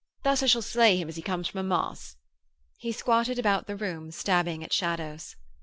Thus I shall slay him as he comes from a Mass.' He squatted about the room, stabbing at shadows.